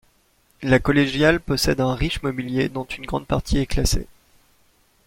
La collégiale possède un riche mobilier dont une grande partie est classée.